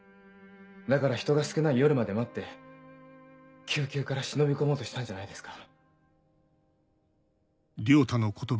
だから人が少ない夜まで待って救急から忍び込もうとしたんじゃないですか？